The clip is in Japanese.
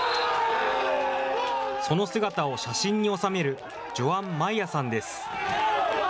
その姿を写真に収める、ジョアン・マイアさんです。